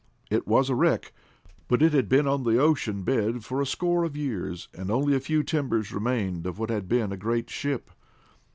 It was a wreck, but it had been on the ocean bed for a score of years, and only a few timbers remained of what had been a great ship.